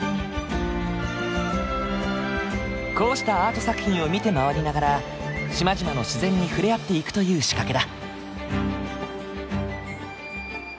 こうしたアート作品を見て回りながら島々の自然に触れ合っていくという仕掛けだ。